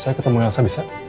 saya ketemu elsa bisa